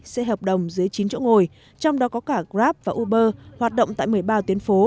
xe hợp đồng dưới chín chỗ ngồi trong đó có cả grab và uber hoạt động tại một mươi ba tuyến phố